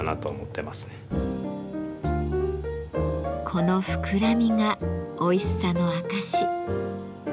この膨らみがおいしさの証し。